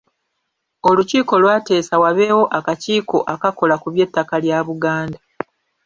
Olukiiko lwateesa wabeewo akakiiko akakola ku by'ettaka lya Buganda.